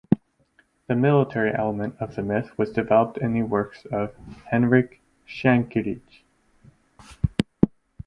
The military element of the myth was developed in the works of Henryk Sienkiewicz.